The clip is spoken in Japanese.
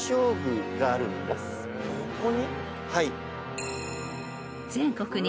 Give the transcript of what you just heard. はい。